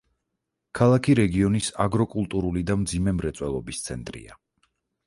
ქალაქი რეგიონის აგროკულტურული და მძიმე მრეწველობის ცენტრია.